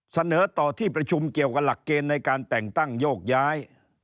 เสนอต่อที่ประชุมเกี่ยวกับหลักเกณฑ์ในการแต่งตั้งโยกย้าย